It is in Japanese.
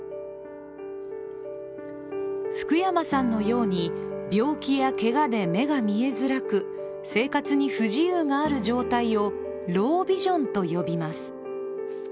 福山さんのように、病気やけがで目が見えづらく生活に不自由がある状態をロービジョンと呼びます。